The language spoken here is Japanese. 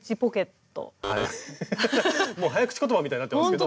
もう早口言葉みたいになってますけど。